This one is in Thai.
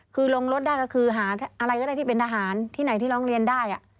คือลงรถได้ก็คือหาอะไรก็ได้ที่เป็นทหารที่ไหนที่ร้องเรียนได้